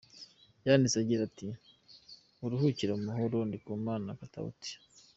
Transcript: Yanditse agira ati “Uruhukire mu mahoro Ndikumana Katauti”.